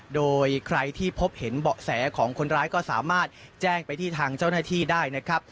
โดยใครที่พบเห็นเบาะแสของคนร้ายก็สามารถแจ้งไปที่ทางเจ้าหน้าที่ได้นะครับ